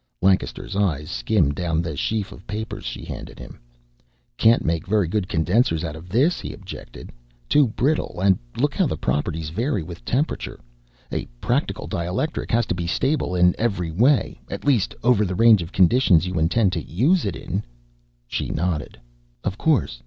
Lancaster's eyes skimmed down the sheaf of papers she handed him. "Can't make very good condensers out of this," he objected. "Too brittle and look how the properties vary with temperature. A practical dielectric has to be stable in every way, at least over the range of conditions you intend to use it in." She nodded. "Of course.